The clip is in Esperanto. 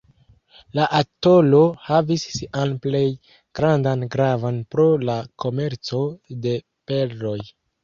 La atolo havis sian plej grandan gravon pro la komerco de perloj.